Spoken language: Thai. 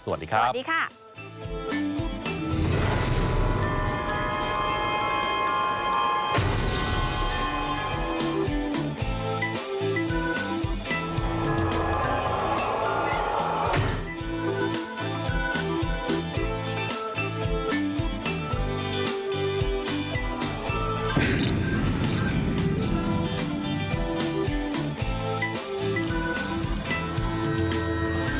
สวัสดีครับสวัสดีค่ะ